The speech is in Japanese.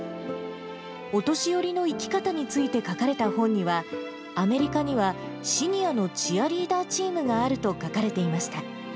お年寄りの生き方について書かれた本には、アメリカにはシニアのチアリーダーチームがあると書かれていまし